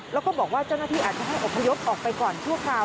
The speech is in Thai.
แล้วก็บอกว่าเจ้าหน้าที่อาจจะให้อพยพออกไปก่อนชั่วคราว